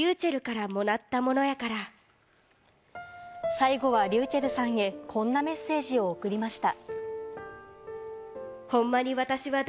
最後はｒｙｕｃｈｅｌｌさんへ、こんなメッセージを送りました。